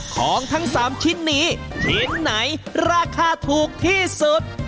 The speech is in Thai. ของทั้ง๓ชิ้นนี้ชิ้นไหนราคาถูกที่สุด